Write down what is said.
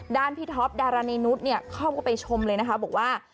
ด้านพี่ท็อปดาราในนุสเข้าก็ไปชมเลยนะคะบอกว่า